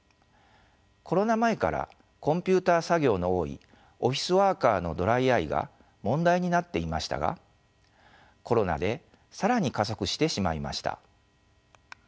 コロナ前からコンピューター作業の多いオフィスワーカーのドライアイが問題になっていましたがコロナで更に加速してしまいました。